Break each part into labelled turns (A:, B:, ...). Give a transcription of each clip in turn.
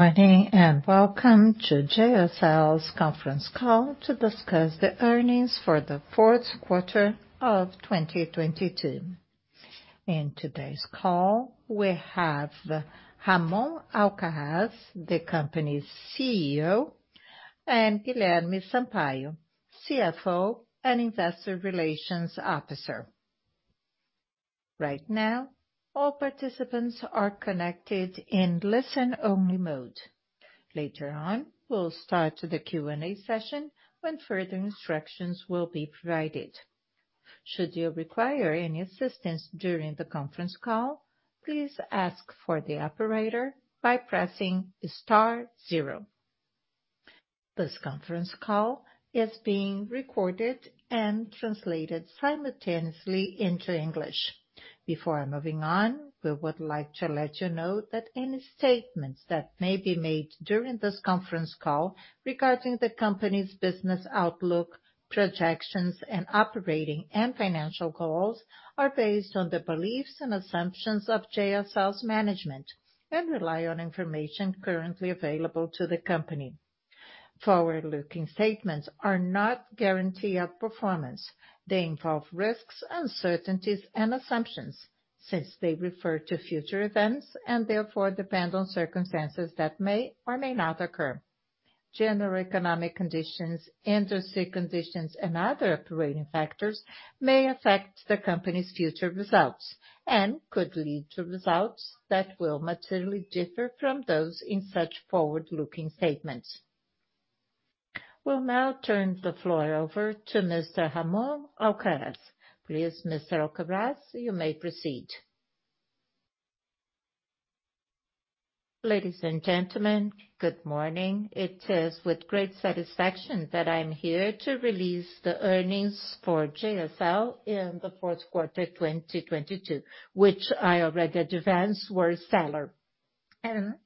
A: Morning, welcome to JSL's conference call to discuss the earnings for the fourth quarter of 2022. In today's call, we have Ramon Alcaraz, the company's CEO, and Guilherme Sampaio, CFO and investor relations officer. Right now, all participants are connected in listen-only mode. Later on, we'll start the Q&A session when further instructions will be provided. Should you require any assistance during the conference call, please ask for the operator by pressing star zero. This conference call is being recorded and translated simultaneously into English. Before moving on, we would like to let you know that any statements that may be made during this conference call regarding the company's business outlook, projections, and operating and financial goals are based on the beliefs and assumptions of JSL's management, and rely on information currently available to the company. Forward-looking statements are not guarantee of performance. They involve risks, uncertainties, and assumptions, since they refer to future events and therefore depend on circumstances that may or may not occur. General economic conditions, industry conditions, and other operating factors may affect the company's future results and could lead to results that will materially differ from those in such forward-looking statements. We'll now turn the floor over to Mr. Ramon Alcaraz. Please, Mr. Alcaraz, you may proceed.
B: Ladies and gentlemen, good morning. It is with great satisfaction that I'm here to release the earnings for JSL in the fourth quarter 2022, which I already advanced were stellar.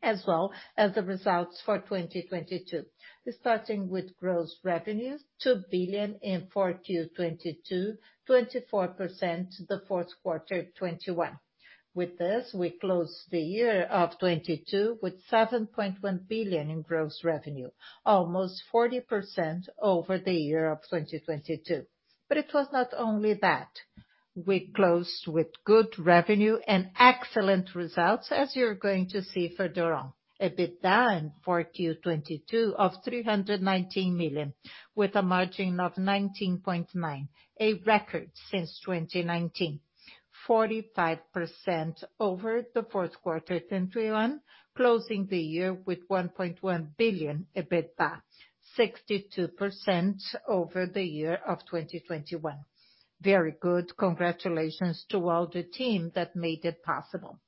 B: As well as the results for 2022. Starting with gross revenues, 2 billion in 4Q 2022, 24% the fourth quarter 2021. With this, we close the year of 2022 with 7.1 billion in gross revenue, almost 40% over the year of 2022. It was not only that. We closed with good revenue and excellent results, as you're going to see further on. EBITDA in 4Q22 of 319 million, with a margin of 19.9%, a record since 2019. 45% over the 4Q21, closing the year with 1.1 billion EBITDA. 62% over the year of 2021. Very good. Congratulations to all the team that made it possible.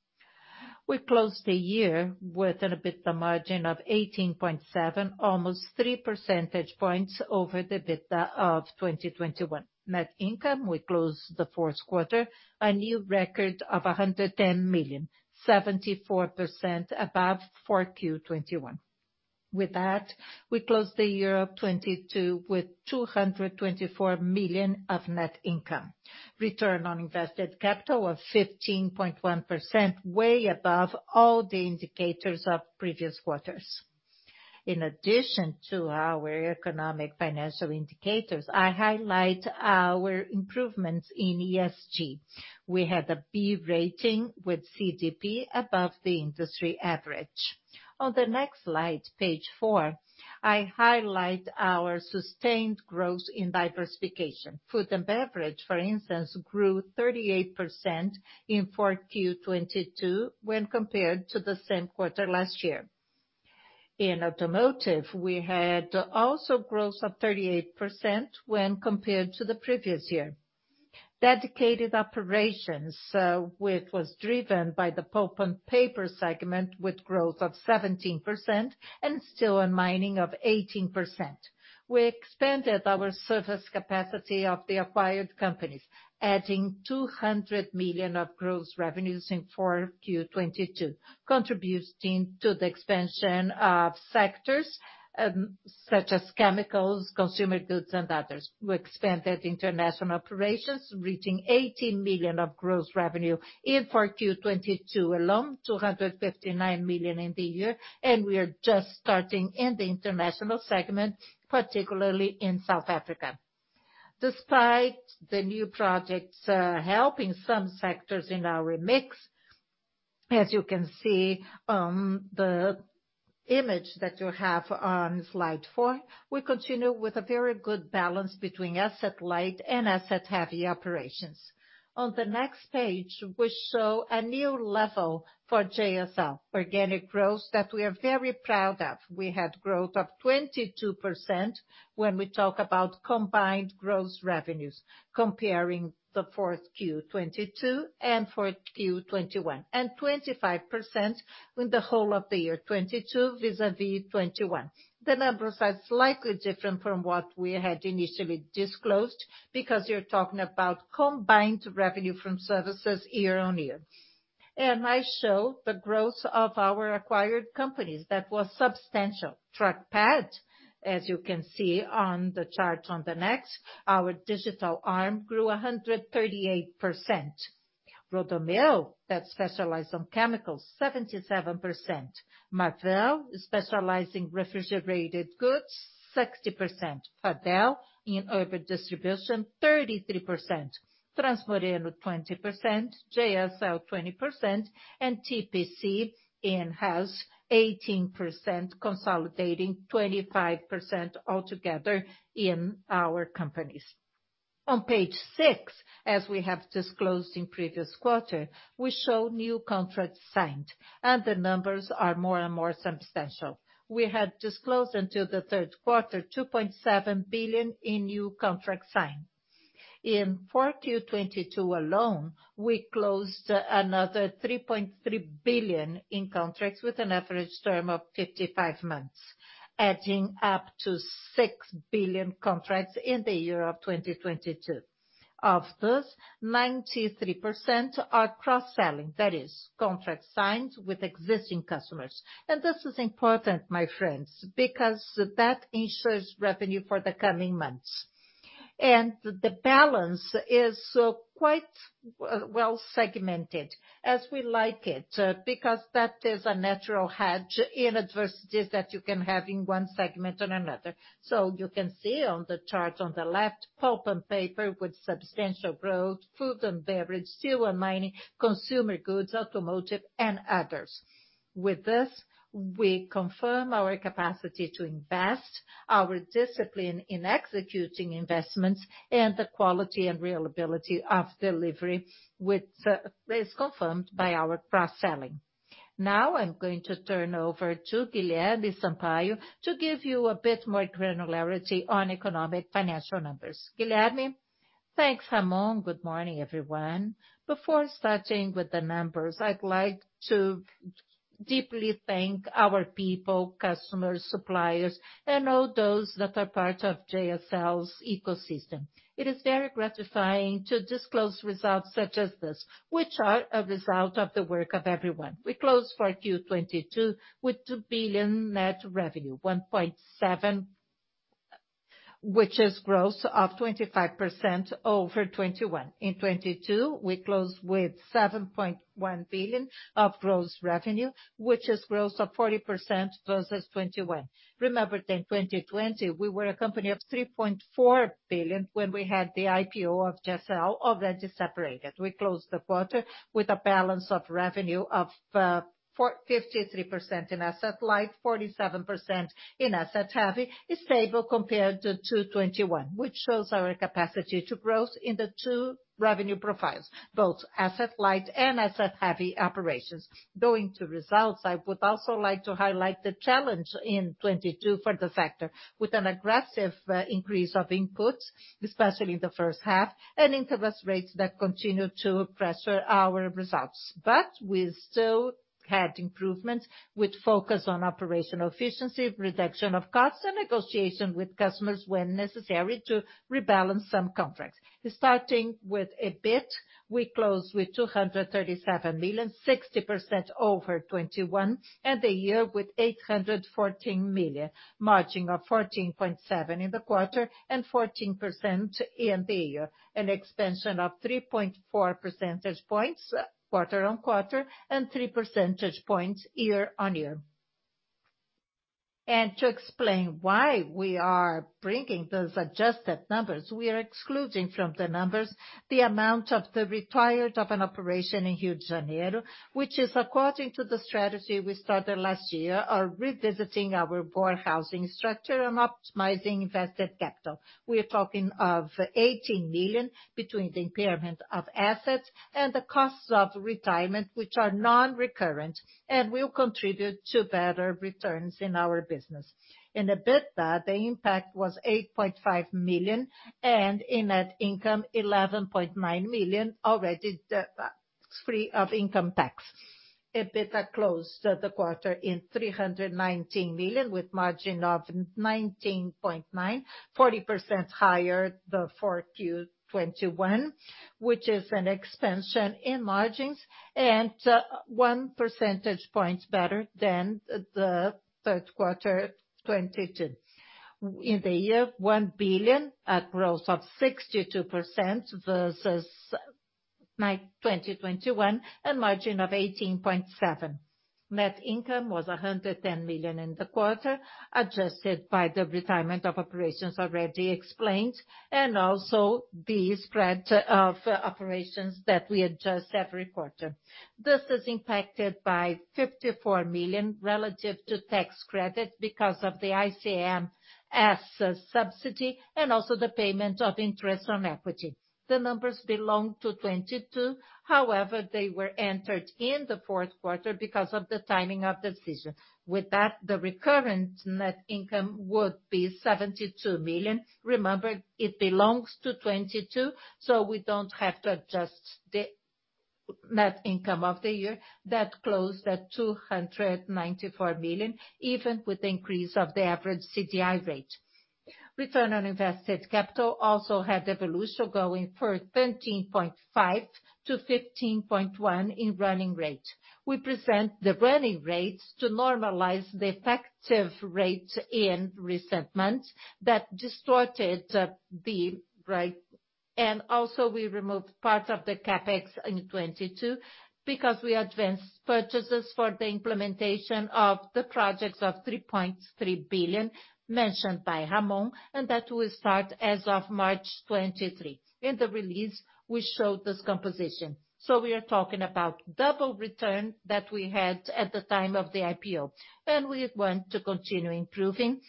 B: We closed the year with an EBITDA margin of 18.7%, almost 3 percentage points over the EBITDA of 2021. Net income, we closed the fourth quarter, a new record of 110 million, 74% above 4Q21. With that, we closed the year of 2022 with 224 million of net income. Return on invested capital of 15.1%, way above all the indicators of previous quarters. In addition to our economic financial indicators, I highlight our improvements in ESG. We had a B rating with CDP above the industry average. On the next slide, page four, I highlight our sustained growth in diversification. Food and beverage, for instance, grew 38% in 4Q22 when compared to the same quarter last year. In automotive, we had also growth of 38% when compared to the previous year. Dedicated operations, which was driven by the pulp and paper segment with growth of 17% and still in mining of 18%. We expanded our service capacity of the acquired companies, adding 200 million of gross revenues in 4Q22, contributing to the expansion of sectors, such as chemicals, consumer goods, and others. We expanded international operations, reaching 80 million of gross revenue in 4Q 2022 alone, 259 million in the year. We are just starting in the international segment, particularly in South Africa. Despite the new projects, helping some sectors in our mix, as you can see on the image that you have on slide 4, we continue with a very good balance between asset-light and asset-heavy operations. On the next page, we show a new level for JSL. Organic growth that we are very proud of. We had growth of 22% when we talk about combined gross revenues comparing the 4Q 2022 and 4Q 2021. 25% in the whole of the year, 2022 vis-a-vis 2021. The numbers are slightly different from what we had initially disclosed because you're talking about combined revenue from services year-on-year. I show the growth of our acquired companies, that was substantial. TruckPad, as you can see on the chart on the next, our digital arm grew 138%. Rodomeu, that specialize on chemicals, 77%. Marfrig, specialize in refrigerated goods, 60%. Fadel in urban distribution, 33%. Transmoreno, 20%. JSL, 20%. TPC in-house 18%, consolidating 25% altogether in our companies. On page 6, as we have disclosed in previous quarter, we show new contracts signed. The numbers are more and more substantial. We had disclosed until the third quarter, 2.7 billion in new contract signed. In 4Q22 alone, we closed another 3.3 billion in contracts with an average term of 55 months, adding up to 6 billion contracts in the year of 2022. Of this, 93% are cross-selling. That is, contracts signed with existing customers. This is important, my friends, because that ensures revenue for the coming months. The balance is quite well segmented as we like it, because that is a natural hedge in adversities that you can have in one segment or another. You can see on the chart on the left, pulp and paper with substantial growth, food and beverage, steel and mining, consumer goods, automotive and others. With this, we confirm our capacity to invest our discipline in executing investments and the quality and reliability of delivery, which is confirmed by our cross-selling. I'm going to turn over to Guilherme Sampaio to give you a bit more granularity on economic financial numbers. Guilherme?
C: Thanks, Ramon. Good morning, everyone. Before starting with the numbers, I'd like to deeply thank our people, customers, suppliers, and all those that are part of JSL's ecosystem. It is very gratifying to disclose results such as this, which are a result of the work of everyone. We closed four Q2022 with 2 billion net revenue, 1.7 billion, which is growth of 25% over 2021. In 2022, we closed with 7.1 billion of gross revenue, which is growth of 40% versus 2021. Remember that in 2020, we were a company of 3.4 billion when we had the IPO of JSL already separated. We closed the quarter with a balance of revenue of 53% in asset-light, 47% in asset-heavy. It's stable compared to 2021, which shows our capacity to growth in the two revenue profiles, both asset-light and asset-heavy operations. Going to results, I would also like to highlight the challenge in 2022 for the sector with an aggressive increase of inputs, especially in the first half, and interest rates that continued to pressure our results. We still had improvements with focus on operational efficiency, reduction of costs, and negotiation with customers when necessary to rebalance some contracts. Starting with EBIT, we closed with 237 million, 60% over 2021, and the year with 814 million, margin of 14.7 in the quarter and 14% in the year. An expansion of 3.4 percentage points quarter-over-quarter and 3 percentage points year-over-year. To explain why we are bringing those adjusted numbers, we are excluding from the numbers the amount of the retired of an operation in Rio de Janeiro, which is according to the strategy we started last year of revisiting our board housing structure and optimizing invested capital. We are talking of 18 million between the impairment of assets and the costs of retirement, which are non-recurrent and will contribute to better returns in our business. In the EBITDA, the impact was 8.5 million, and in net income, 11.9 million, already free of income tax. EBITDA closed the quarter in 319 million, with margin of 19.9%, 40% higher the 4Q21, which is an expansion in margins and 1 percentage point better than the third quarter 2022. In the year, 1 billion at growth of 62% versus 2021, and margin of 18.7%. Net income was 110 million in the quarter, adjusted by the retirement of operations already explained, and also the spread of operations that we adjust every quarter. This is impacted by 54 million relative to tax credits because of the ICMS as a subsidy and also the payment of interest on equity. The numbers belong to 2022. However, they were entered in the fourth quarter because of the timing of the decision. With that, the recurrent net income would be 72 million. Remember, it belongs to 2022, we don't have to adjust the net income of the year. That closed at 294 million, even with the increase of the average CDI rate. Return on invested capital also had evolution going for 13.5% to 15.1% in run-rate. We present the run-rates to normalize the effective rate in recent months that distorted the rate. Also we removed part of the CapEx in 2022 because we advanced purchases for the implementation of the projects of 3.3 billion mentioned by Ramon, and that will start as of March 2023. In the release, we showed this composition. We are talking about double return that we had at the time of the IPO. We want to continue improving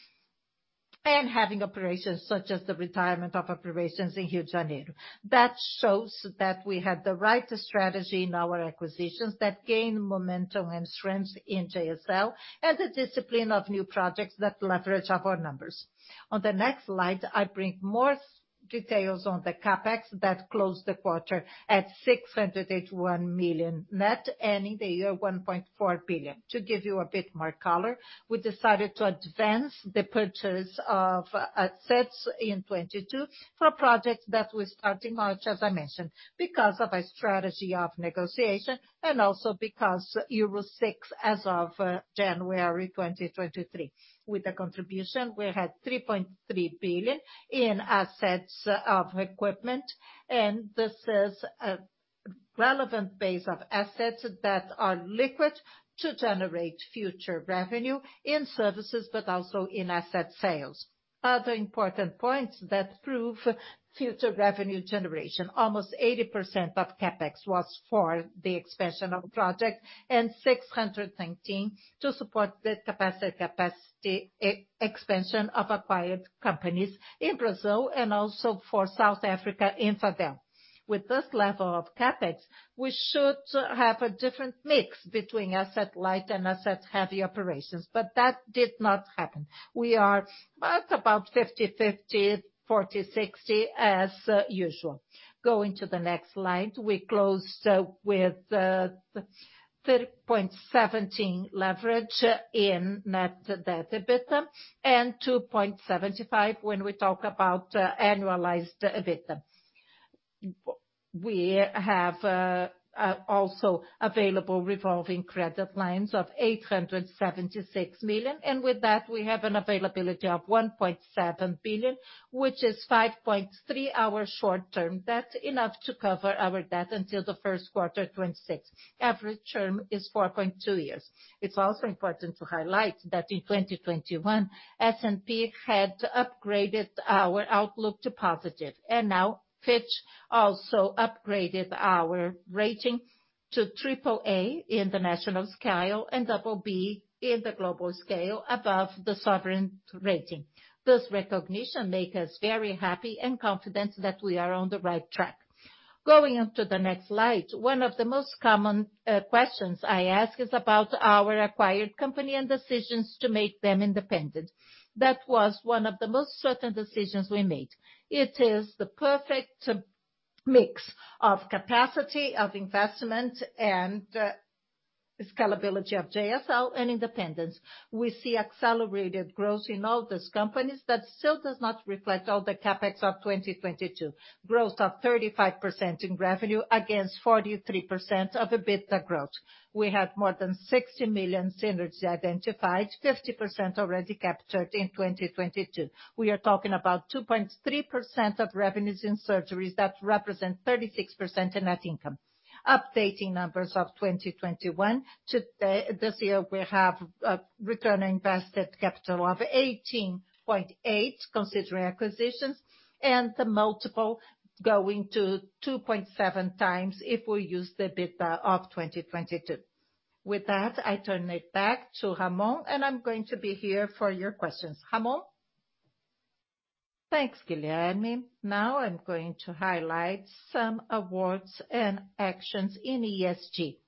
C: and having operations such as the retirement of operations in Rio de Janeiro. That shows that we have the right strategy in our acquisitions that gain momentum and strength in JSL, and the discipline of new projects that leverage up our numbers. On the next slide, I bring more details on the CapEx that closed the quarter at 681 million net, and in the year 1.4 billion. To give you a bit more color, we decided to advance the purchase of assets in 2022 for projects that will start in March, as I mentioned, because of a strategy of negotiation and also because Euro 6 as of January 2023. With the contribution, we had 3.3 billion in assets of equipment, and this is a relevant base of assets that are liquid to generate future revenue in services but also in asset sales. Other important points that prove future revenue generation, almost 80% of CapEx was for the expansion of project and 619 to support the capacity expansion of acquired companies in Brazil and also for South Africa in Fadel. With this level of CapEx, we should have a different mix between asset-light and asset-heavy operations. That did not happen. We are at about 50/50, 40/60 as usual. Going to the next slide. We closed with 13.17 leverage in net debt EBITDA and 2.75 when we talk about annualized EBITDA. We have also available revolving credit lines of 876 million. With that, we have an availability of 1.7 billion, which is 5.3x our short term. That's enough to cover our debt until the first quarter 2026. Average term is 4.2 years. It's also important to highlight that in 2021, S&P had upgraded our outlook to positive, and now Fitch also upgraded our rating to AAA in the national scale and BB in the global scale above the sovereign rating. This recognition make us very happy and confident that we are on the right track. Going on to the next slide. One of the most common questions I ask is about our acquired company and decisions to make them independent. It is the perfect mix of capacity of investment and scalability of JSL and independence. We see accelerated growth in all these companies that still does not reflect all the CapEx of 2022. Growth of 35% in revenue against 43% of EBITDA growth. We had more than 60 million synergies identified, 50% already captured in 2022. We are talking about 2.3% of revenues in synergies that represent 36% in net income. Updating numbers of 2021 to this year we have a return on invested capital of 18.8% considering acquisitions and the multiple going to 2.7x if we use the EBITDA of 2022. With that, I turn it back to Ramon, I'm going to be here for your questions. Ramon?
B: Thanks, Guilherme. Now I'm going to highlight some awards and actions in ESG.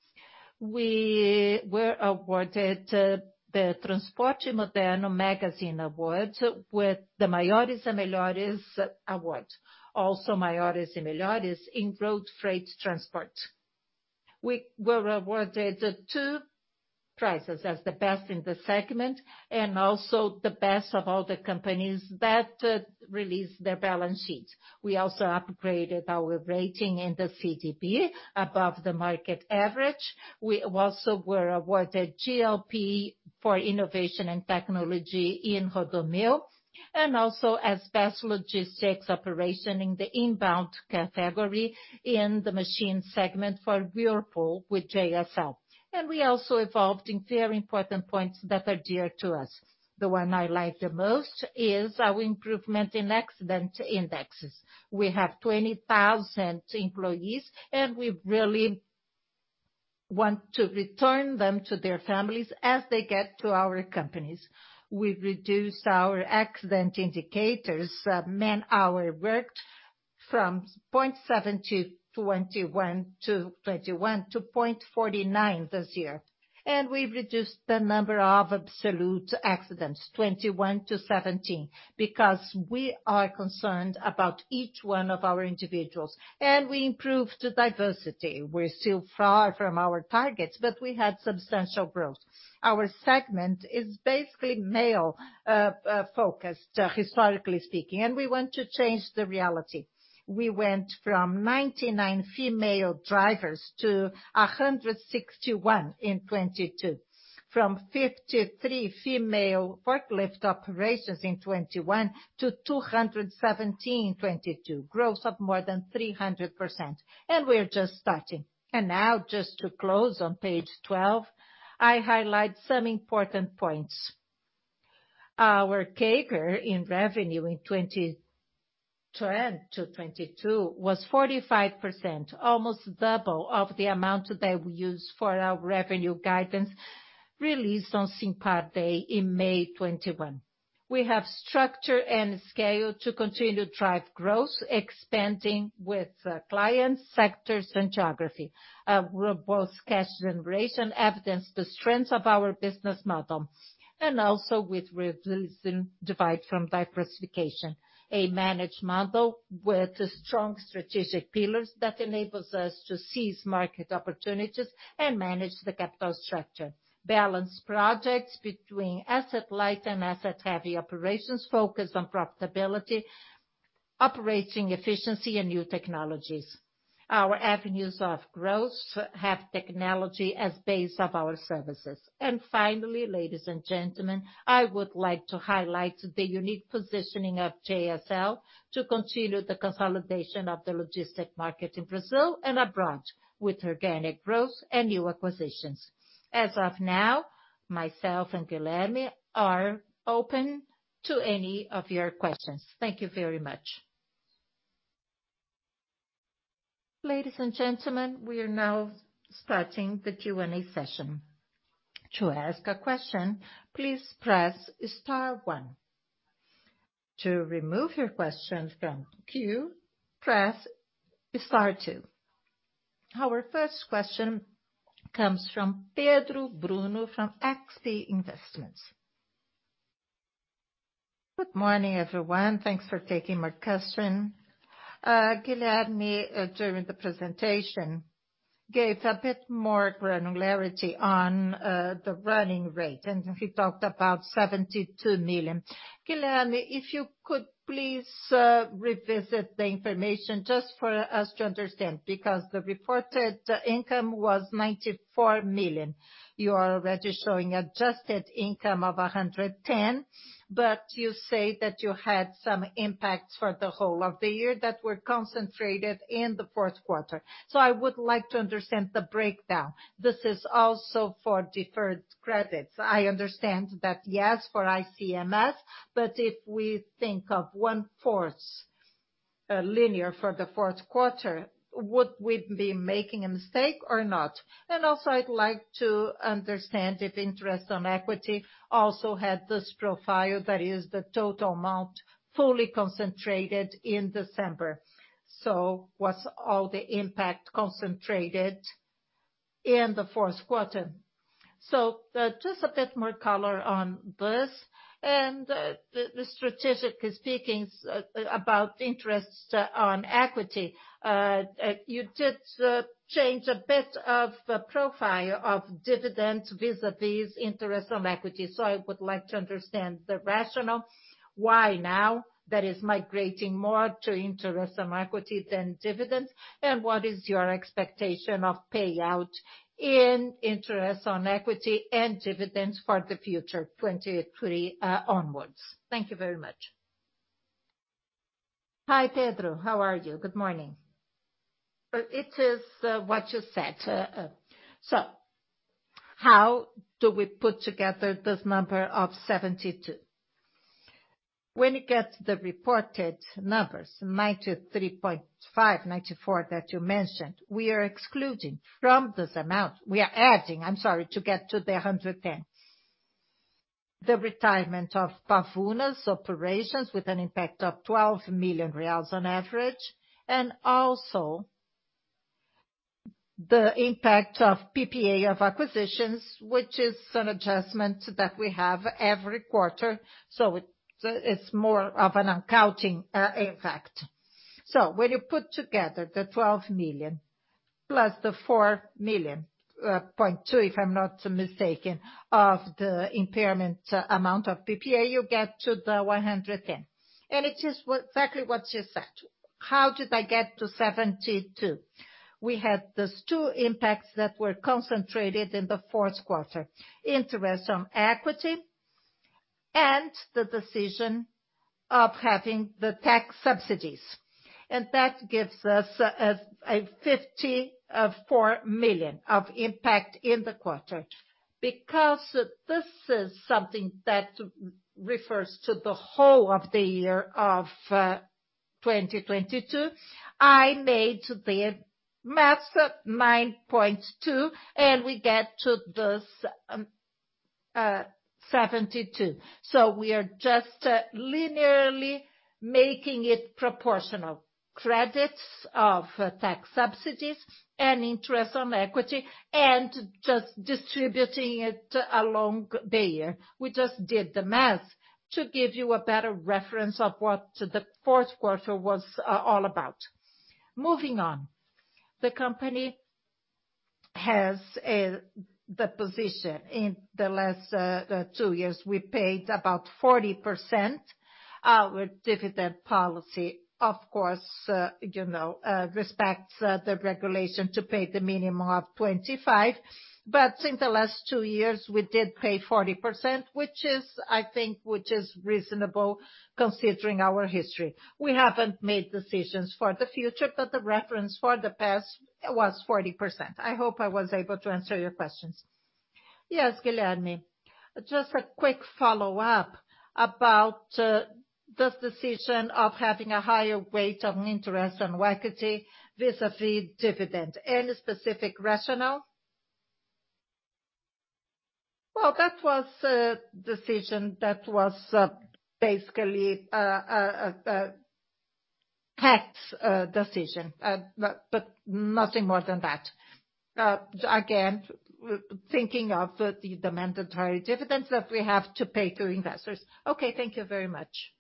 B: We were awarded the Transporte Moderno magazine award with the Maiores & Melhores award. Maiores & Melhores in road freight transport. We were awarded two prizes as the best in the segment and also the best of all the companies that released their balance sheet. We also upgraded our rating in the CDP above the market average. We also were awarded GLP for innovation and technology in Rodomeu, and also as best logistics operation in the inbound category in the machine segment for Whirlpool with JSL. We also evolved in very important points that are dear to us. The one I like the most is our improvement in accident indexes. We have 20,000 employees, and we really want to return them to their families as they get to our companies. We've reduced our accident indicators, man-hour worked from 0.7 to 2021 to 0.49 this year. We've reduced the number of absolute accidents, 21 to 17, because we are concerned about each one of our individuals, and we improved diversity. We're still far from our targets, we had substantial growth. Our segment is basically male focused, historically speaking, and we want to change the reality. We went from 99 female drivers to 161 in 2022. From 53 female forklift operators in 2021 to 217 in 2022. Growth of more than 300%, we're just starting. Now, just to close on page 12, I highlight some important points. Our CAGR in revenue in 2022 was 45%, almost double of the amount that we used for our revenue guidance released on Simpar Day in May 2021. We have structure and scale to continue to drive growth, expanding with clients, sectors, and geography. Robust cash generation evidence the strength of our business model. Also with releasing divide from diversification, a managed model with strong strategic pillars that enables us to seize market opportunities and manage the capital structure. Balance projects between asset-light and asset-heavy operations focused on profitability, operating efficiency, and new technologies. Our avenues of growth have technology as base of our services. Finally, ladies and gentlemen, I would like to highlight the unique positioning of JSL to continue the consolidation of the logistic market in Brazil and abroad with organic growth and new acquisitions. As of now, myself and Guilherme are open to any of your questions. Thank you very much.
A: Ladies and gentlemen, we are now starting the Q&A session. To ask a question, please press star one. To remove your question from queue, press star two. Our first question comes from Pedro Bruno from XP Investimentos.
D: Good morning, everyone. Thanks for taking my question. Guilherme, during the presentation, gave a bit more granularity on the run rate. He talked about 72 million. Guilherme, if you could please revisit the information just for us to understand, because the reported income was 94 million. You are already showing adjusted income of 110, you say that you had some impacts for the whole of the year that were concentrated in the fourth quarter. I would like to understand the breakdown. This is also for deferred credits. I understand that, yes, for ICMS, if we think of one-fourth linear for the fourth quarter, would we be making a mistake or not? Also, I'd like to understand if interest on equity also had this profile that is the total amount fully concentrated in December. Was all the impact concentrated in the fourth quarter? Just a bit more color on this. Strategically speaking about Interest on Equity. You did change a bit of the profile of dividends vis-à-vis Interest on Equity. I would like to understand the rationale why now that is migrating more to Interest on Equity than dividends, and what is your expectation of payout in Interest on Equity and dividends for the future, 23 onwards. Thank you very much.
C: Hi, Pedro. How are you? Good morning. It is what you said. How do we put together this number of 72? When you get the reported numbers, 93.5, 94 that you mentioned, we are excluding from this amount. We are adding, I'm sorry, to get to the 110. The retirement of Pavuna's operations with an impact of 12 million reais on average. Also the impact of PPA of acquisitions, which is an adjustment that we have every quarter. It's more of an accounting impact. When you put together the 12 million plus the 4.2 million, if I'm not mistaken, of the impairment amount of PPA, you get to the 110 million. It is exactly what you said. How did I get to 72 million? We had these two impacts that were concentrated in the fourth quarter, interest on equity and the decision of having the tax subsidies. That gives us a 54 million of impact in the quarter. This is something that refers to the whole of the year of 2022. I made the math 9.2, and we get to this 72. We are just linearly making it proportional. Credits of tax subsidies and interest on equity, and just distributing it along the year. We just did the math to give you a better reference of what the fourth quarter was all about. Moving on. The company has the position in the last two years, we paid about 40%. Our dividend policy, of course, you know, respects the regulation to pay the minimum of 25%. In the last two years, we did pay 40%, which I think is reasonable considering our history. We haven't made decisions for the future, but the reference for the past was 40%. I hope I was able to answer your questions.
D: Yes, Guilherme. Just a quick follow-up about this decision of having a higher weight on interest on equity vis-à-vis dividend. Any specific rationale?
C: Well, that was a decision that was basically tax decision, but nothing more than that. Again, thinking of the mandatory dividends that we have to pay to investors.
D: Okay, thank you very much.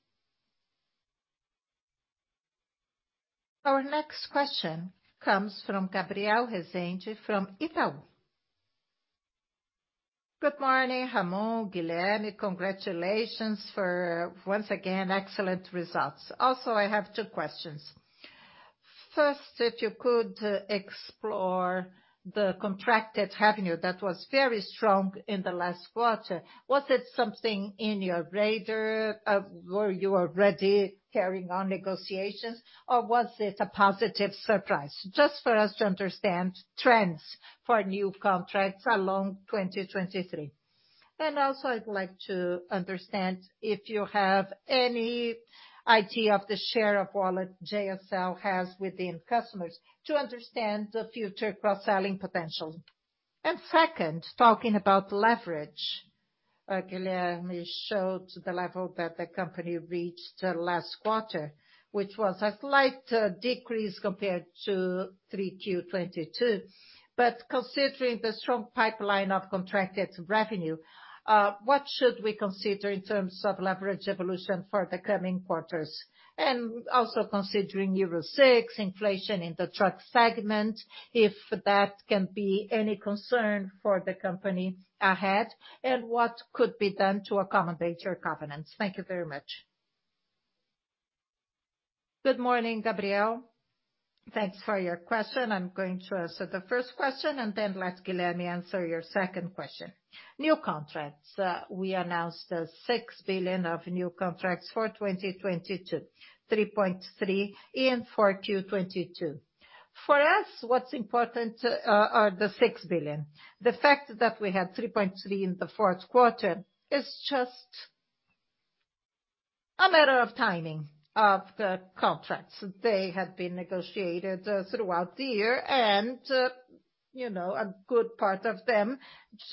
A: Our next question comes from Gabriel Rezende, from Itaú.
E: Good morning, Ramon, Guilherme. Congratulations for, once again, excellent results. I have two questions. First, if you could explore the contracted revenue that was very strong in the last quarter. Was it something in your radar? Were you already carrying on negotiations, or was it a positive surprise? Just for us to understand trends for new contracts along 2023. Also, I'd like to understand if you have any idea of the share of wallet JSL has within customers to understand the future cross-selling potential. Second, talking about leverage. Guilherme showed the level that the company reached last quarter, which was a slight decrease compared to 3Q22. Considering the strong pipeline of contracted revenue, what should we consider in terms of leverage evolution for the coming quarters? Also considering Euro 6, inflation in the truck segment, if that can be any concern for the company ahead, and what could be done to accommodate your covenants. Thank you very much.
B: Good morning, Gabriel. Thanks for your question. I'm going to answer the first question and then let Guilherme answer your second question. New contracts. We announced 6 billion of new contracts for 2022, 3.3 in 4Q22. For us, what's important, are the 6 billion. The fact that we had 3.3 billion in the fourth quarter is just a matter of timing of the contracts. They have been negotiated throughout the year, you know, a good part of them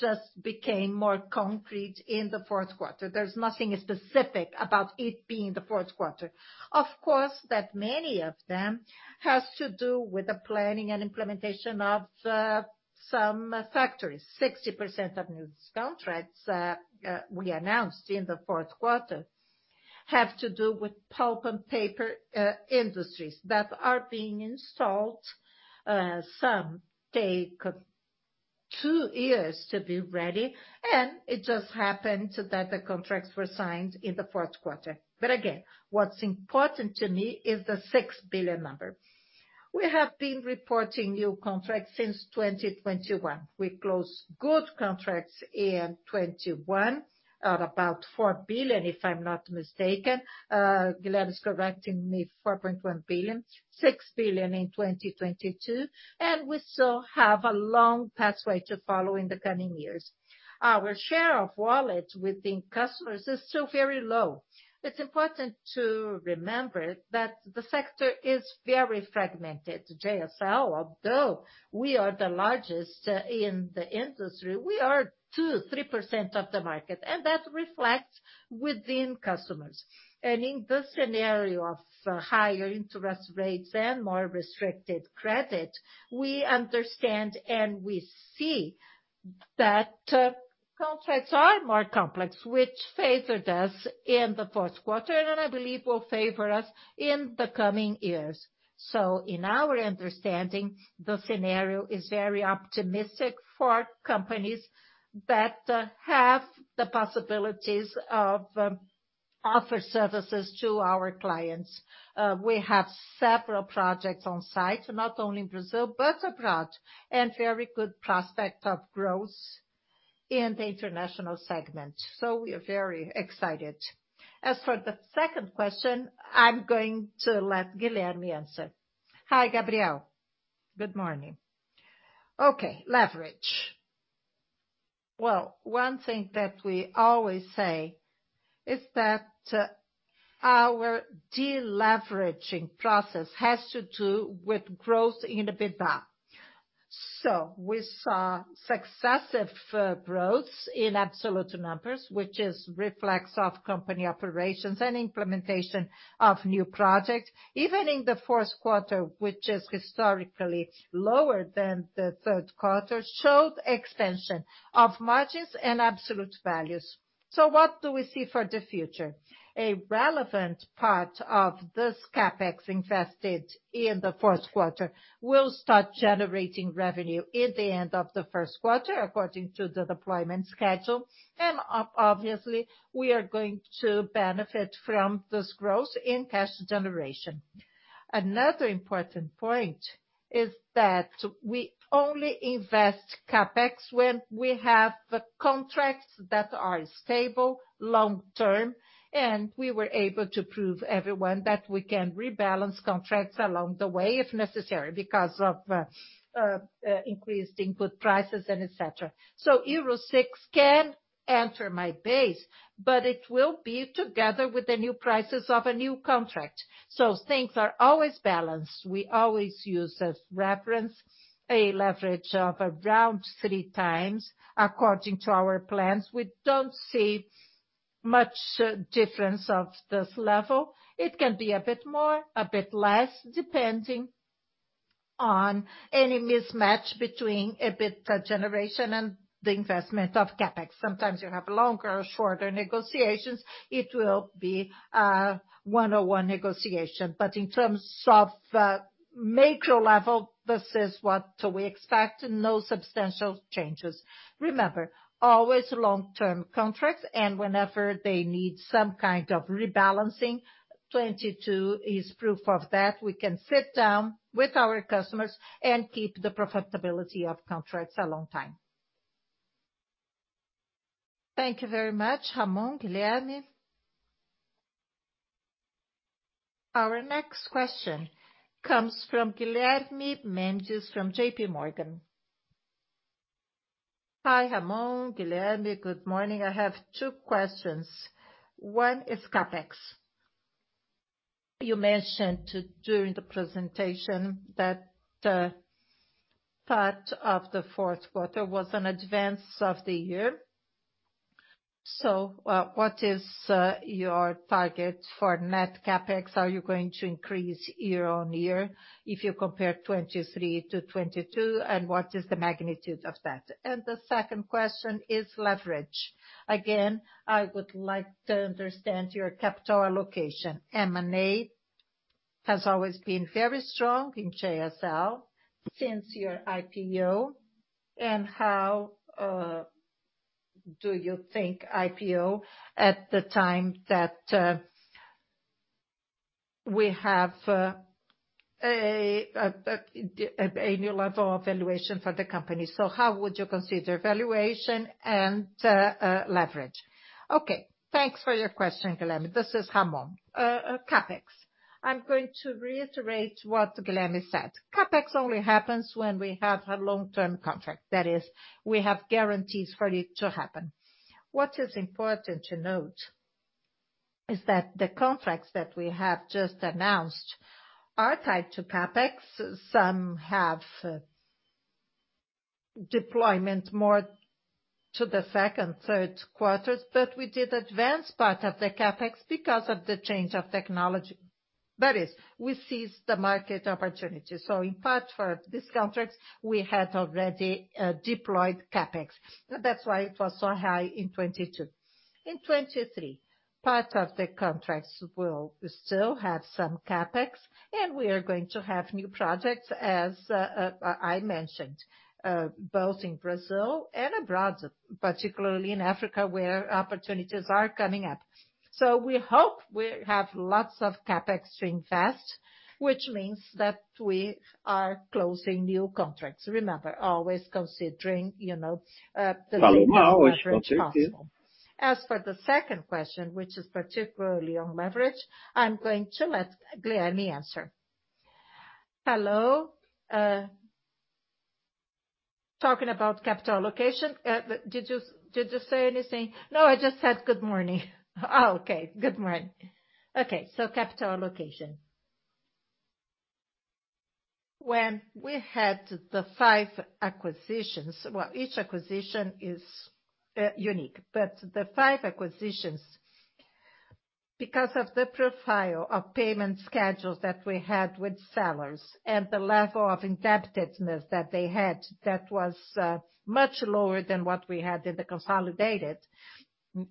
B: just became more concrete in the fourth quarter. There's nothing specific about it being the fourth quarter. Of course, that many of them has to do with the planning and implementation of some factories. 60% of new contracts that we announced in the fourth quarter have to do with pulp and paper industries that are being installed. Some take two years to be ready, it just happened that the contracts were signed in the fourth quarter. Again, what's important to me is the 6 billion number. We have been reporting new contracts since 2021. We closed good contracts in 2021 at about 4 billion, if I'm not mistaken. Guilherme's correcting me, 4.1 billion. 6 billion in 2022. We still have a long pathway to follow in the coming years. Our share of wallet within customers is still very low. It's important to remember that the sector is very fragmented. JSL, although we are the largest in the industry, we are 2%-3% of the market. That reflects within customers. In the scenario of higher interest rates and more restricted credit, we understand and we see that contracts are more complex which favored us in the fourth quarter, and I believe will favor us in the coming years. In our understanding, the scenario is very optimistic for companies that have the possibilities of offer services to our clients. We have several projects on site, not only in Brazil, but abroad, and very good prospect of growth in the international segment. We are very excited. As for the second question, I'm going to let Guilherme answer.
C: Hi, Gabriel. Good morning. Okay, leverage. Well, one thing that we always say is that our deleveraging process has to do with growth in EBITDA. We saw successive growths in absolute numbers, which is reflex of company operations and implementation of new projects. Even in the fourth quarter, which is historically lower than the third quarter, showed extension of margins and absolute values. What do we see for the future? A relevant part of this CapEx invested in the fourth quarter will start generating revenue at the end of the first quarter according to the deployment schedule. Obviously, we are going to benefit from this growth in cash generation. Another important point is that we only invest CapEx when we have contracts that are stable long-term, and we were able to prove to everyone that we can rebalance contracts along the way if necessary because of increased input prices and et cetera. Euro 6 can enter my base, but it will be together with the new prices of a new contract. We always use as reference a leverage of around 3 times according to our plans. We don't see much difference of this level. It can be a bit more, a bit less, depending on any mismatch between EBITDA generation and the investment of CapEx. Sometimes you have longer or shorter negotiations. It will be a one-on-one negotiation. In terms of macro level, this is what we expect, no substantial changes. Remember, always long-term contracts, and whenever they need some kind of rebalancing, 2022 is proof of that. We can sit down with our customers and keep the profitability of contracts a long time.
E: Thank you very much, Ramon, Guilherme.
A: Our next question comes from Guilherme Mendes from JPMorgan. Hi, Ramon, Guilherme. Good morning. I have two questions. One is CapEx. You mentioned during the presentation that part of the fourth quarter was an advance of the year. What is your target for net CapEx? Are you going to increase year-on-year if you compare 2023 to 2022? What is the magnitude of that? The second question is leverage. Again, I would like to understand your capital allocation. M&A has always been very strong in JSL since your IPO. How do you think IPO at the time that we have a new level of valuation for the company. How would you consider valuation and leverage?
B: Okay, thanks for your question, Guilherme. This is Ramon. CapEx. I'm going to reiterate what Guilherme said. CapEx only happens when we have a long-term contract that is we have guarantees for it to happen. What is important to note is that the contracts that we have just announced are tied to CapEx. Some have deployment more to the second, third quarters, but we did advance part of the CapEx because of the change of technology. We seized the market opportunity. In part for these contracts, we had already deployed CapEx. That's why it was so high in 2022. In 2023, part of the contracts will still have some CapEx, and we are going to have new projects, as I mentioned, both in Brazil and abroad, particularly in Africa, where opportunities are coming up. We hope we have lots of CapEx to invest, which means that we are closing new contracts. Remember, always considering, you know. As for the second question, which is particularly on leverage, I'm going to let Guilherme answer.
C: Hello. Talking about capital allocation, did you say anything?
F: No, I just said good morning.
C: Okay. Good morning. Capital allocation. When we had the five acquisitions, well, each acquisition is unique. The five acquisitions, because of the profile of payment schedules that we had with sellers and the level of indebtedness that they had that was much lower than what we had in the consolidated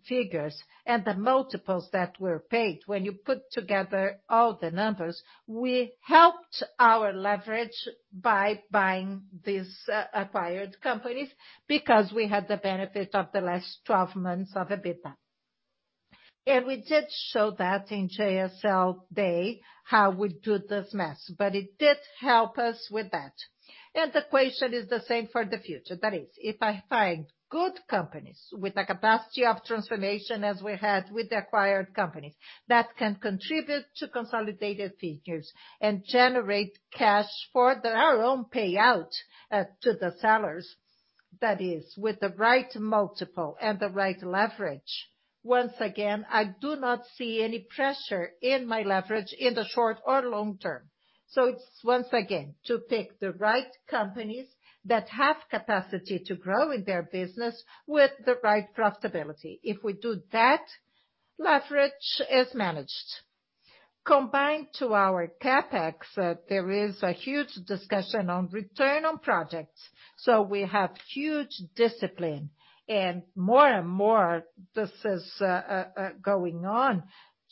C: figures and the multiples that were paid when you put together all the numbers, we helped our leverage by buying these acquired companies because we had the benefit of the last 12 months of EBITDA. We did show that in JSL Day, how we do this math, but it did help us with that. The question is the same for the future. That is, if I find good companies with a capacity of transformation as we had with the acquired companies that can contribute to consolidated figures and generate cash for our own payout to the sellers. That is with the right multiple and the right leverage. Once again, I do not see any pressure in my leverage in the short or long term. It's once again, to pick the right companies that have capacity to grow in their business with the right profitability. If we do that, leverage is managed. Combined to our CapEx, there is a huge discussion on return on projects. We have huge discipline and more and more this is going on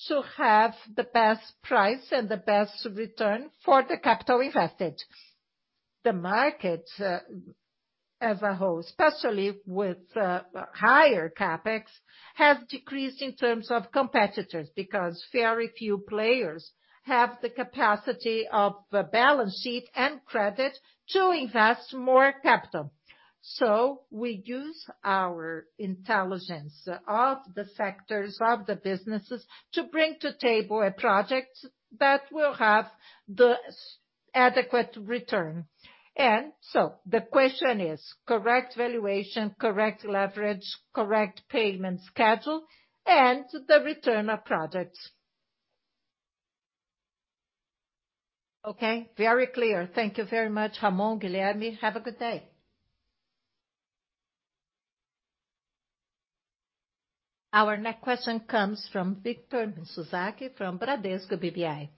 C: to have the best price and the best return for the capital invested. The market, as a whole, especially with higher CapEx, has decreased in terms of competitors because very few players have the capacity of the balance sheet and credit to invest more capital. We use our intelligence of the sectors, of the businesses to bring to table a project that will have the adequate return. The question is correct valuation, correct leverage, correct payment schedule, and the return of products.
F: Okay, very clear. Thank you very much, Ramon, Guilherme. Have a good day.
A: Our next question comes from Victor Mizusaki from Bradesco BBI.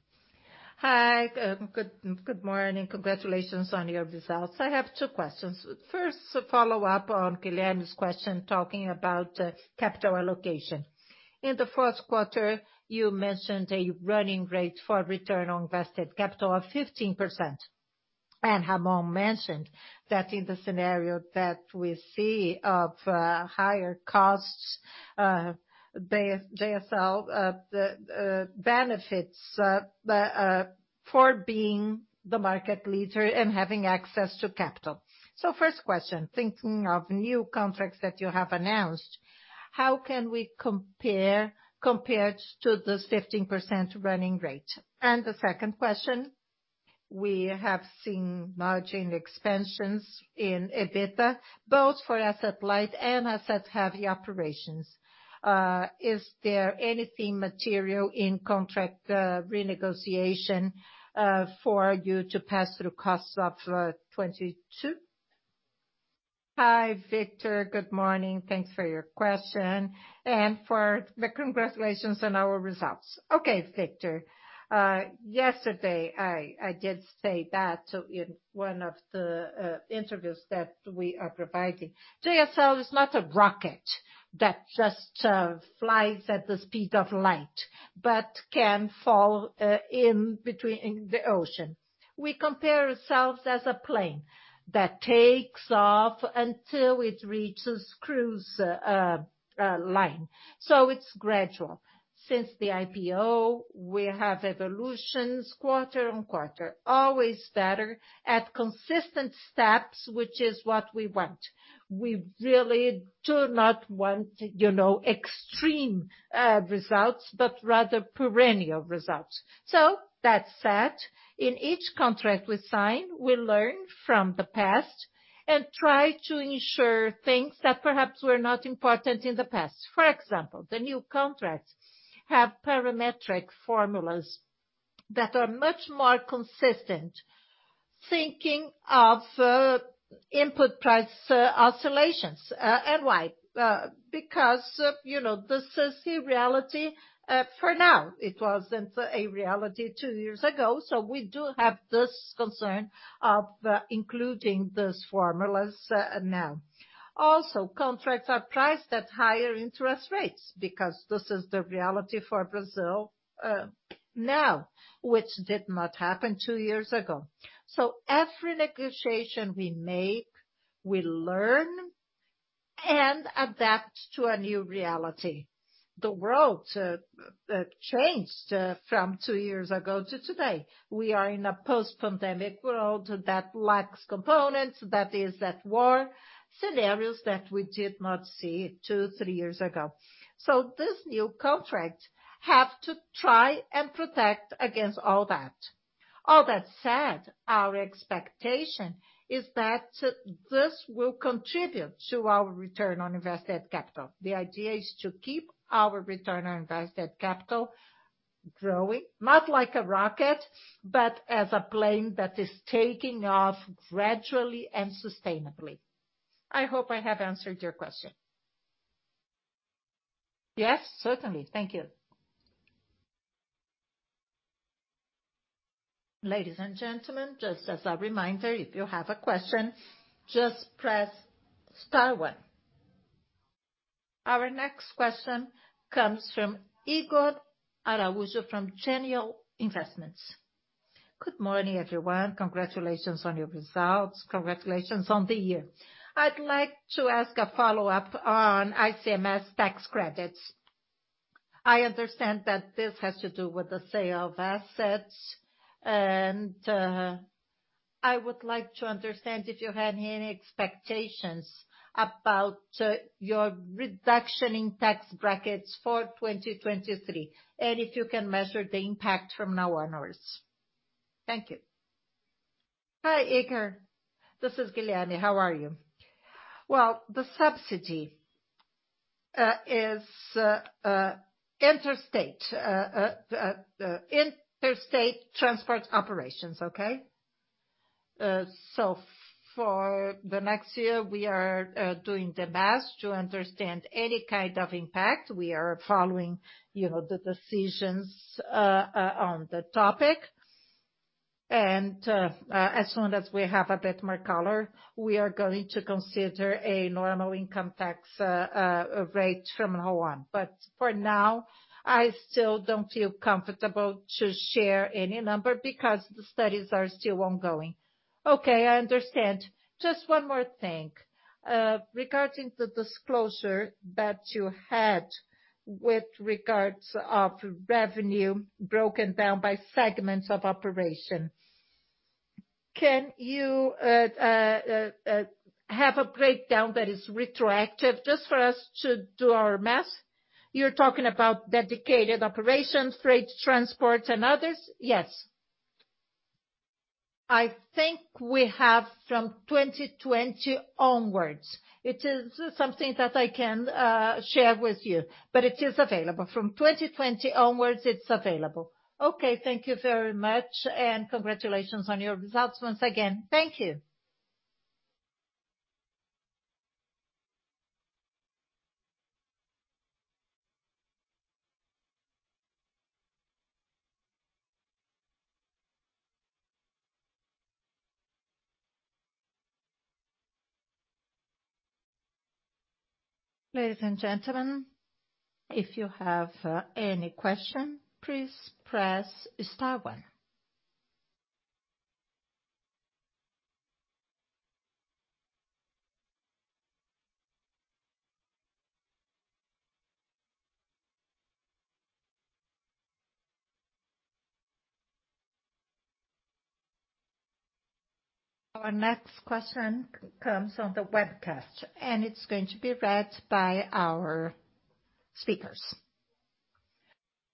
G: Hi, good morning. Congratulations on your results. I have two questions. First, a follow-up on Guilherme's question talking about capital allocation. In the 1st quarter, you mentioned a run rate for return on invested capital of 15%. Ramon mentioned that in the scenario that we see of higher costs, JSL benefits for being the market leader and having access to capital. First question, thinking of new contracts that you have announced, how can we compared to this 15% run rate? The second question, we have seen margin expansions in EBITDA, both for asset-light and asset-heavy operations. Is there anything material in contract renegotiation for you to pass through costs of 2022?
B: Hi, Victor. Good morning. Thanks for your question and for the congratulations on our results. Okay, Victor. Yesterday, I did say that in one of the interviews that we are providing. JSL is not a rocket that just flies at the speed of light, but can fall in between the ocean. We compare ourselves as a plane that takes off until it reaches cruise line. It's gradual. Since the IPO, we have evolutions quarter on quarter, always better at consistent steps, which is what we want. We really do not want, you know, extreme results, but rather perennial results. That said, in each contract we sign, we learn from the past and try to ensure things that perhaps were not important in the past. For example, the new contracts have parametric formulas that are much more consistent thinking of input price oscillations. Why? Because, you know, this is the reality for now. It wasn't a reality two years ago. We do have this concern of including these formulas now. Also, contracts are priced at higher interest rates because this is the reality for Brazil now, which did not happen two years ago. Every negotiation we make, we learn and adapt to a new reality. The world changed from two years ago to today. We are in a post-pandemic world that lacks components, that is at war, scenarios that we did not see 2, 3 years ago. This new contract have to try and protect against all that. All that said, our expectation is that this will contribute to our return on invested capital. The idea is to keep our return on invested capital growing, not like a rocket, but as a plane that is taking off gradually and sustainably. I hope I have answered your question.
G: Yes, certainly. Thank you.
A: Ladies and gentlemen, just as a reminder, if you have a question, just press star one. Our next question comes from Igor Araujo from Genial Investimentos.
H: Good morning, everyone. Congratulations on your results. Congratulations on the year. I'd like to ask a follow-up on ICMS tax credits. I understand that this has to do with the sale of assets. I would like to understand if you had any expectations about your reduction in tax brackets for 2023, and if you can measure the impact from now onwards. Thank you.
C: Hi, Iker. This is Guilherme. How are you? Well, the subsidy is interstate. Interstate transport operations, okay? For the next year, we are doing the math to understand any kind of impact. We are following, you know, the decisions on the topic.
A: As soon as we have a bit more color, we are going to consider a normal income tax rate from now on. For now, I still don't feel comfortable to share any number because the studies are still ongoing.
H: Okay, I understand. Just one more thing. Regarding the disclosure that you had with regards of revenue broken down by segments of operation, can you have a breakdown that is retroactive just for us to do our math?
C: You're talking about dedicated operations, freight transports, and others?
H: Yes.
C: I think we have from 2020 onwards. It is something that I can share with you. It is available. From 2020 onwards, it's available.
H: Okay, thank you very much, and congratulations on your results once again. Thank you.
A: Ladies and gentlemen, if you have any question, please press star one. Our next question comes on the webcast, it's going to be read by our speakers.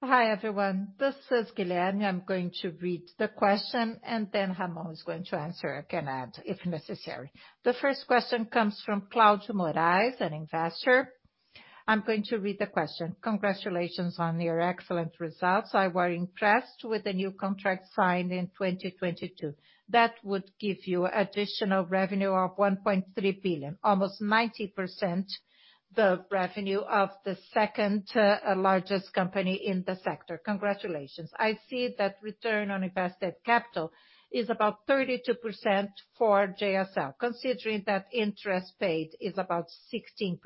C: Hi, everyone. This is Guilherme. I'm going to read the question, then Ramon is going to answer. I can add if necessary. The first question comes from Claudio Moraes, an investor. I'm going to read the question. Congratulations on your excellent results. I was impressed with the new contract signed in 2022. That would give you additional revenue of 1.3 billion, almost 90% the revenue of the second largest company in the sector. Congratulations. I see that return on invested capital is about 32% for JSL. Considering that interest paid is about 16%,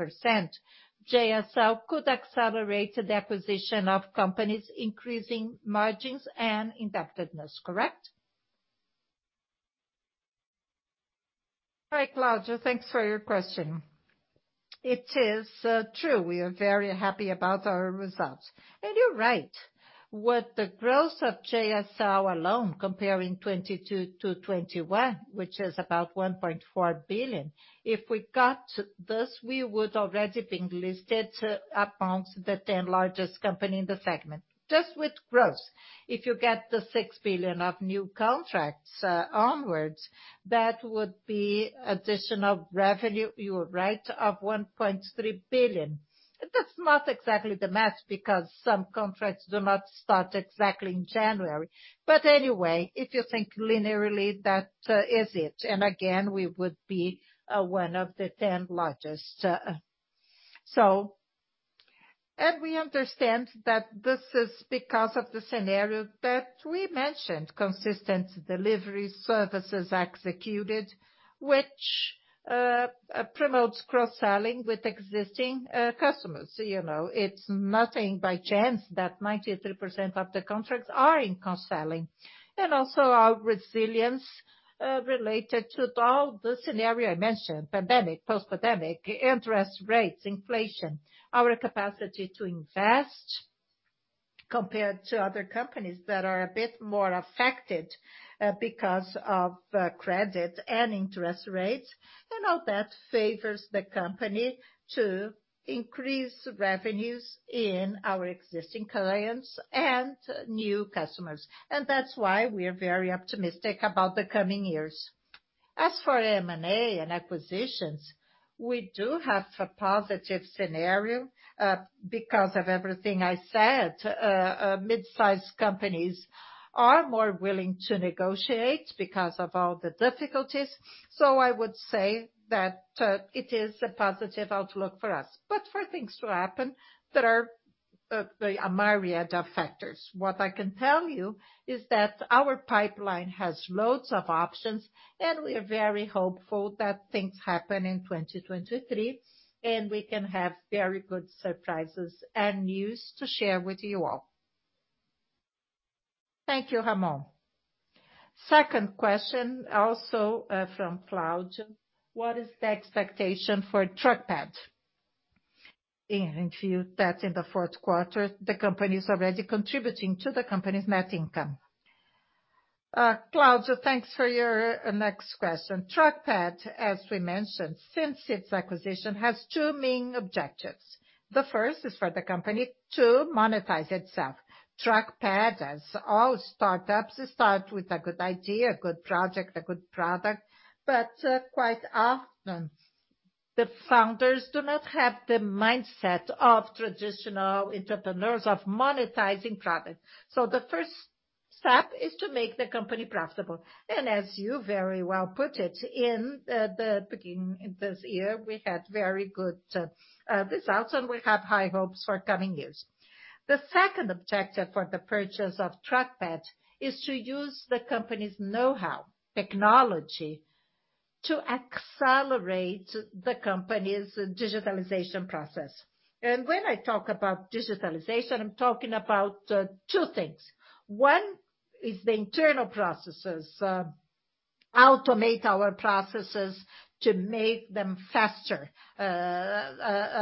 C: JSL could accelerate the acquisition of companies increasing margins and indebtedness, correct?
B: Hi, Claudio. Thanks for your question. It is true, we are very happy about our results. You're right. With the growth of JSL alone comparing 2022 to 2021, which is about 1.4 billion, if we got this, we would already been listed among the 10 largest company in the segment, just with growth. If you get the 6 billion of new contracts onwards, that would be additional revenue, you're right, of 1.3 billion. That's not exactly the math because some contracts do not start exactly in January. Anyway, if you think linearly, that is it. Again, we would be one of the 10 largest. We understand that this is because of the scenario that we mentioned, consistent delivery services executed, which promotes cross-selling with existing customers. You know, it's nothing by chance that 93% of the contracts are in cross-selling. Also our resilience, related to all the scenario I mentioned, pandemic, post-pandemic, interest rates, inflation, our capacity to invest compared to other companies that are a bit more affected because of credit and interest rates. All that favors the company to increase revenues in our existing clients and new customers. That's why we are very optimistic about the coming years. As for M&A and acquisitions, we do have a positive scenario because of everything I said. Midsize companies are more willing to negotiate because of all the difficulties. I would say that it is a positive outlook for us. For things to happen, there are a myriad of factors. What I can tell you is that our pipeline has loads of options, and we are very hopeful that things happen in 2023, and we can have very good surprises and news to share with you all.
C: Thank you, Ramon. Second question, also, from Claudio. What is the expectation for TruckPad? That in the fourth quarter, the company is already contributing to the company's net income.
B: Claudio, thanks for your next question. TruckPad, as we mentioned, since its acquisition, has two main objectives. The first is for the company to monetize itself. TruckPad, as all startups, start with a good idea, a good project, a good product. Quite often, the founders do not have the mindset of traditional entrepreneurs of monetizing profit. The first step is to make the company profitable. As you very well put it, in the beginning this year, we had very good results, and we have high hopes for coming years. The second objective for the purchase of TruckPad is to use the company's know-how, technology to accelerate the company's digitalization process. When I talk about digitalization, I'm talking about two things. One is the internal processes. Automate our processes to make them faster, to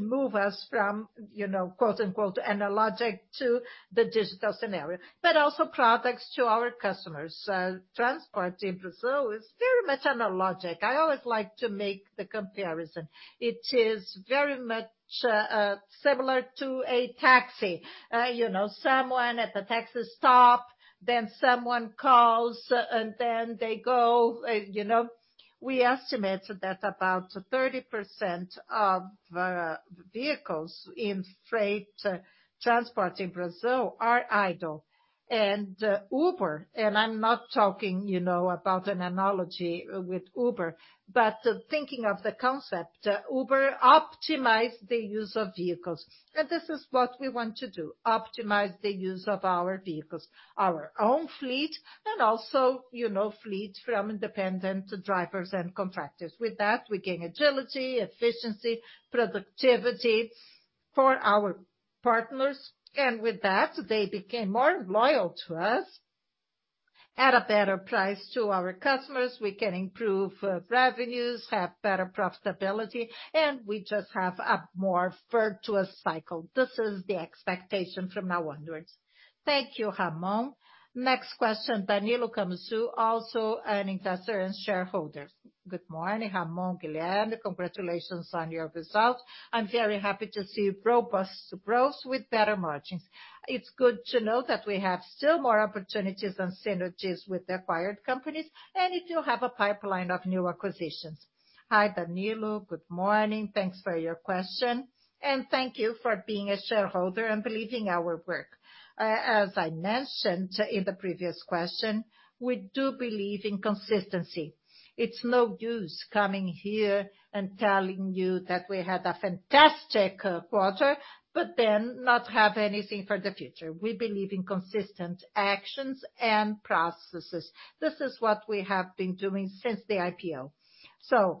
B: move us from, you know, "analogic to the digital scenario". Also products to our customers. Transport in Brazil is very much analogic. I always like to make the comparison. It is very much similar to a taxi. You know, someone at the taxi stop, then someone calls, and then they go, you know. We estimate that about 30% of vehicles in freight transport in Brazil are idle. Uber, and I'm not talking, you know, about an analogy with Uber, but thinking of the concept, Uber optimize the use of vehicles. This is what we want to do, optimize the use of our vehicles, our own fleet, and also, you know, fleet from independent drivers and contractors. With that, we gain agility, efficiency, productivity for our partners. With that, they became more loyal to us. At a better price to our customers, we can improve revenues, have better profitability, and we just have a more virtuous cycle. This is the expectation from now onwards.
C: Thank you, Ramon. Next question, Danilo Camzu, also an investor and shareholder. Good morning, Ramon, Guilherme. Congratulations on your results. I'm very happy to see robust growth with better margins. It's good to know that we have still more opportunities and synergies with the acquired companies, and if you have a pipeline of new acquisitions?
B: Hi, Danilo. Good morning. Thanks for your question. Thank you for being a shareholder and believing our work. As I mentioned in the previous question, we do believe in consistency. It's no use coming here and telling you that we had a fantastic quarter, but then not have anything for the future. We believe in consistent actions and processes. This is what we have been doing since the IPO.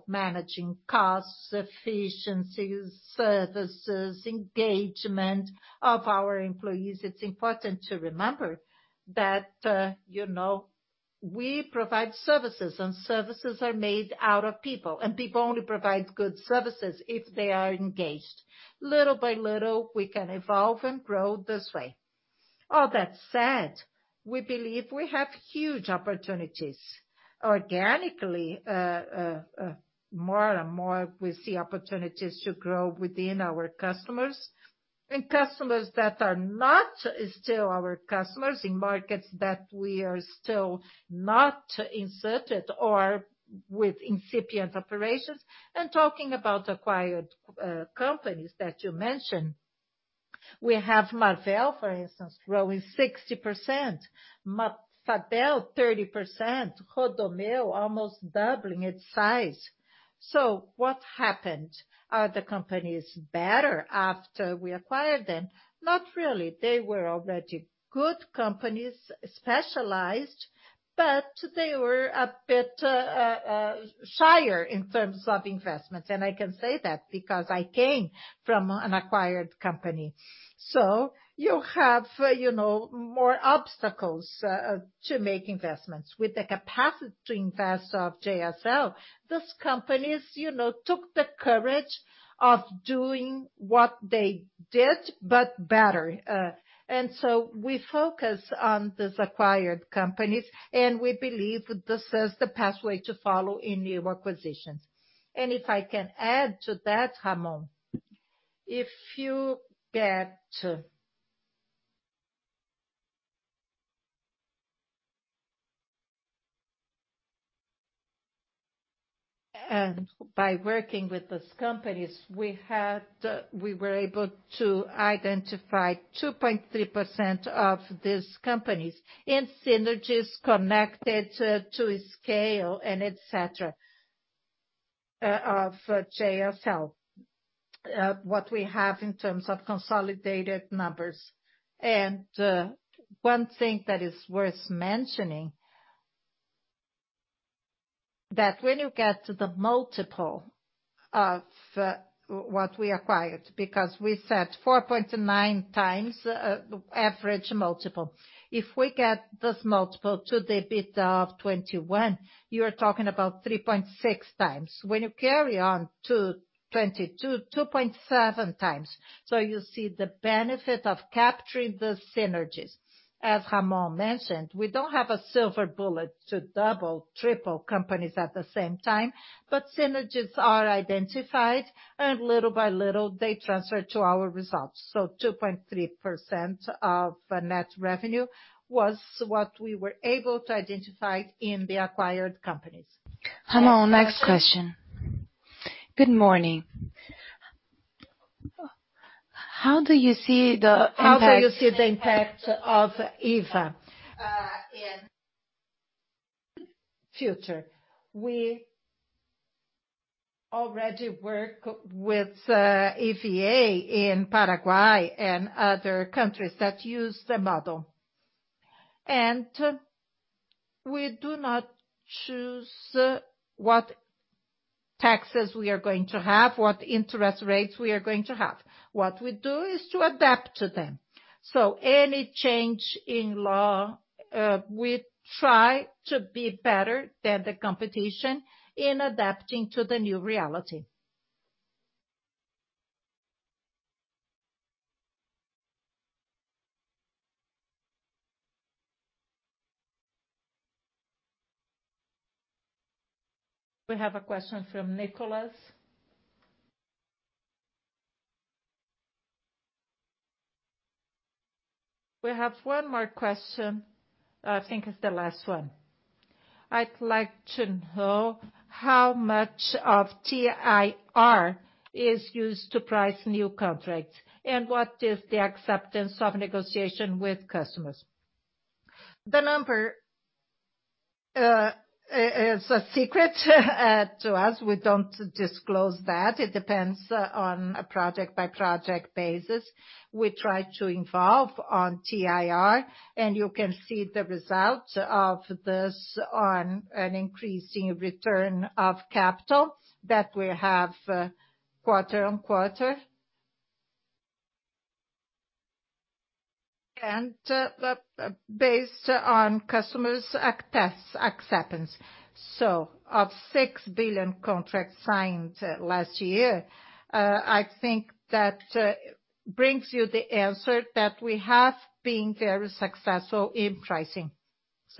B: Managing costs, efficiencies, services, engagement of our employees. It's important to remember that, you know, we provide services, and services are made out of people, and people only provide good services if they are engaged. Little by little, we can evolve and grow this way. All that said, we believe we have huge opportunities organically, more and more, we see opportunities to grow within our customers and customers that are not still our customers in markets that we are still not inserted or with incipient operations. Talking about acquired companies that you mentioned, we have Marfrig, for instance, growing 60%, Marfrig, 30%, Rodomeu almost doubling its size. What happened? Are the companies better after we acquired them? Not really. They were already good companies, specialized, but they were a bit shyer in terms of investments. I can say that because I came from an acquired company. You have, you know, more obstacles to make investments. With the capacity to invest of JSL, these companies, you know, took the courage of doing what they did, but better. We focus on these acquired companies, and we believe this is the pathway to follow in new acquisitions.
C: If I can add to that, Ramon, if you get to... By working with these companies, we were able to identify 2.3% of these companies in synergies connected to scale and et cetera, of JSL, what we have in terms of consolidated numbers. One thing that is worth mentioning, that when you get to the multiple of what we acquired, because we said 4.9x average multiple. If we get this multiple to the EBITDA of 2021, you are talking about 3.6x. When you carry on to 2022, 2.7x. You see the benefit of capturing the synergies. As Ramon mentioned, we don't have a silver bullet to double, triple companies at the same time, but synergies are identified, and little by little, they transfer to our results. 2.3% of net revenue was what we were able to identify in the acquired companies. Ramon, next question. Good morning. How do you see the impact-How do you see the impact of EVA in future?
B: We already work with EVA in Paraguay and other countries that use the model. We do not choose what taxes we are going to have, what interest rates we are going to have. What we do is to adapt to them. Any change in law, we try to be better than the competition in adapting to the new reality.
C: We have a question from Nicholas. We have one more question. I think it's the last one. I'd like to know how much of TIR is used to price new contracts and what is the acceptance of negotiation with customers.
B: The number is a secret to us. We don't disclose that. It depends on a project-by-project basis. We try to involve on TIR, you can see the result of this on an increasing return of capital that we have quarter-on-quarter. Based on customers acceptance. Of 6 billion contracts signed last year, I think that brings you the answer that we have been very successful in pricing.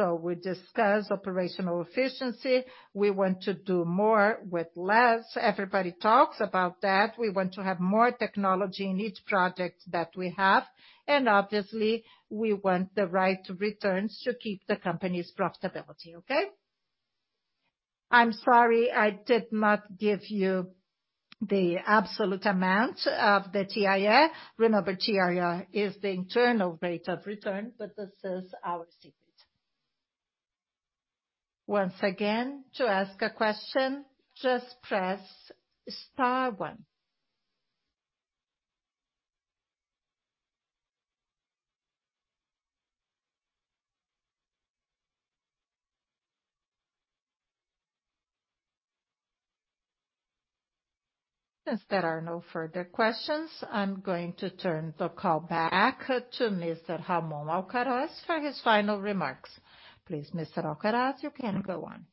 B: We discuss operational efficiency. We want to do more with less. Everybody talks about that. We want to have more technology in each project that we have. Obviously, we want the right returns to keep the company's profitability. Okay? I'm sorry I did not give you the absolute amount of the TIR. Remember, TIR is the internal rate of return, but this is our secret.
A: Once again, to ask a question, just press star one. If there are no further questions, I'm going to turn the call back to Mr. Ramon Alcaraz for his final remarks. Please, Mr. Alcaraz, you can go on.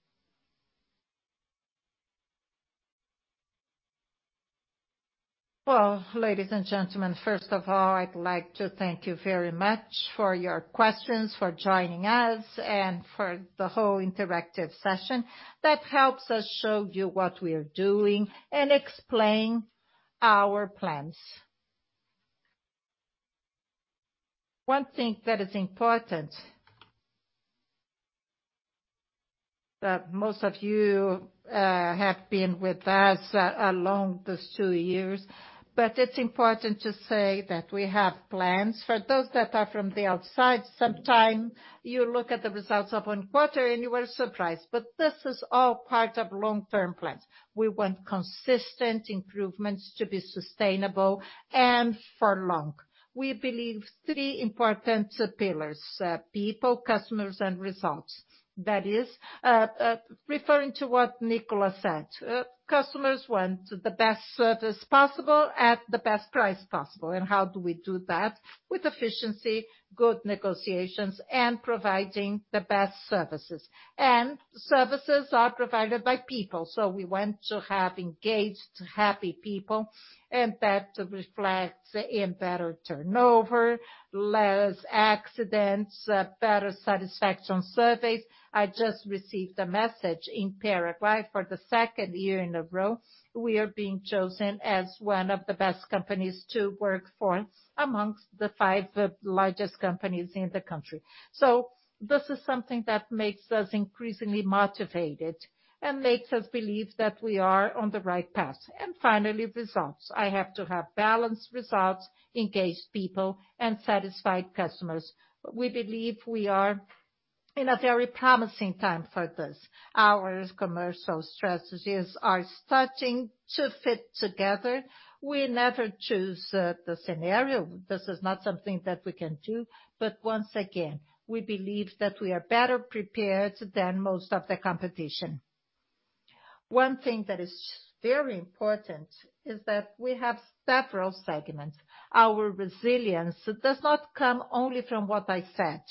B: Well, ladies and gentlemen, first of all, I'd like to thank you very much for your questions, for joining us, and for the whole interactive session. That helps us show you what we are doing and explain our plans. One thing that is important, that most of you have been with us along these two years. It's important to say that we have plans. For those that are from the outside, sometimes you look at the results of one quarter and you are surprised. This is all part of long-term plans. We want consistent improvements to be sustainable and for long. We believe three important pillars, people, customers, and results. That is referring to what Nicholas said. Customers want the best service possible at the best price possible. How do we do that? With efficiency, good negotiations, and providing the best services. Services are provided by people. We want to have engaged, happy people and that reflects in better turnover, less accidents, better satisfaction surveys. I just received a message in Paraguay. For the second year in a row, we are being chosen as one of the best companies to work for amongst the five largest companies in the country. This is something that makes us increasingly motivated and makes us believe that we are on the right path. Finally, results. I have to have balanced results, engaged people, and satisfied customers. We believe we are in a very promising time for this. Our commercial strategies are starting to fit together. We never choose the scenario. This is not something that we can do. Once again, we believe that we are better prepared than most of the competition. One thing that is very important is that we have several segments. Our resilience does not come only from what I said.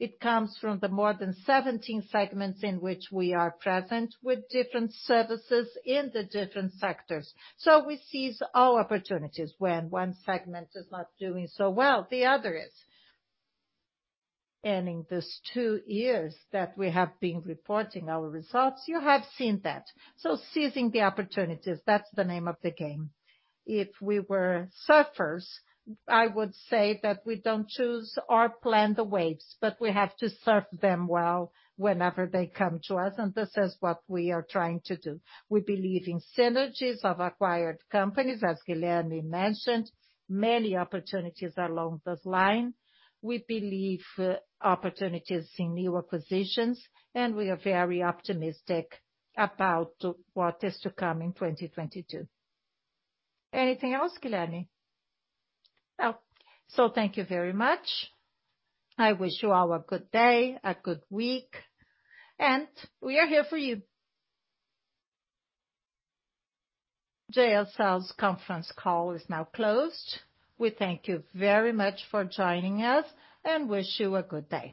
B: It comes from the more than 17 segments in which we are present with different services in the different sectors. We seize all opportunities. When one segment is not doing so well, the other is. In these two years that we have been reporting our results, you have seen that. Seizing the opportunities, that's the name of the game. If we were surfers, I would say that we don't choose or plan the waves, but we have to surf them well whenever they come to us. This is what we are trying to do. We believe in synergies of acquired companies, as Guilherme mentioned. Many opportunities along this line. We believe opportunities in new acquisitions. We are very optimistic about what is to come in 2022. Anything else, Guilherme? No. Thank you very much. I wish you all a good day, a good week, and we are here for you. JSL conference call is now closed. We thank you very much for joining us and wish you a good day.